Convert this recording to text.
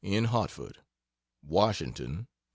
in Hartford: WASHINGTON, Dec.